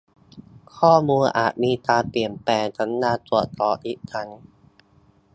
ข้อมูลอาจมีการเปลี่ยนแปลงกรุณาตรวจสอบอีกครั้ง